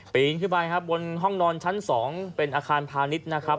ปีนขึ้นไปครับบนห้องนอนชั้น๒เป็นอาคารพาณิชย์นะครับ